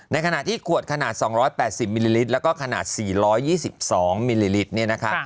ในขณะที่ขวดขนาด๒๘๐มิลลิลิตรแล้วก็ขนาด๔๒๒มิลลิลิตรเนี่ยนะคะ